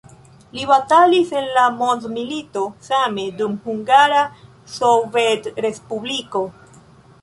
Li batalis en la mondomilito, same dum Hungara Sovetrespubliko.